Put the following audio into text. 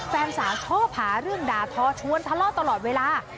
แฟนสาวชอบหาเรื่องด่าทอชวนทะเลาะตลอดเวลา